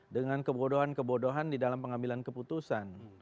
dengan kebodohan kebodohan di dalam pengambilan keputusan